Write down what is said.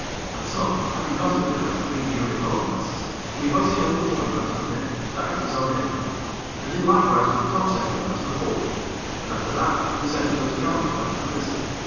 And so, having gotten in our three jury lower masts, we hoisted up the foreyard to the main, to act as our mainyard, and did likewise with the topsail yard to the fore, and after that, we sent up the t'gallant yard to the mizzen.